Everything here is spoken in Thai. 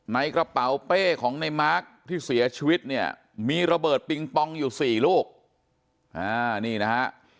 ในกระเป๋าเป้ของในมาร์คที่เสียชีวิตเนี่ยมีระเบิดปิงปองอยู่สี่ลูกอ่านี่นะฮะ